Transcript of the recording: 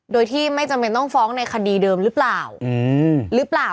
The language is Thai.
โดยที่ไม่จำเป็นต้องฟ้องในคดีเดิมรึเปล่า